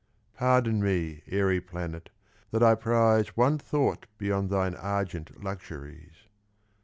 — Pardon me, airy planet, that I prize One thought beyond thine argent luxuries!